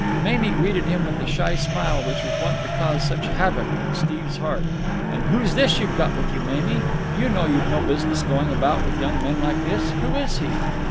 Mamie greeted him with the shy smile which was wont to cause such havoc in Steve's heart. "And who's this you've got with you? Mamie, you know you've no business going about with young men like this. Who is he?"